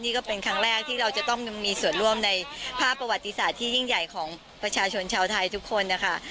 นี่ก็เป็นครั้งแรกที่เราจะต้องมีส่วนร่วมในภาพประวัติศาสตร์ที่ยิ่งใหญ่ของประชาชนชาวไทยทุกคนนะคะ